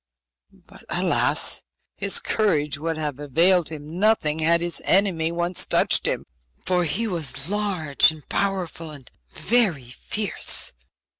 But, alas! his courage would have availed him nothing had his enemy once touched him, for he was large and powerful, and very fierce.